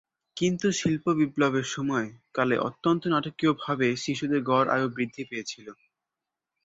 কিন্তু শিল্প বিপ্লবের সময়কালে অত্যন্ত নাটকীয়ভাবে শিশুদের গড় আয়ু বৃদ্ধি পেয়েছিল।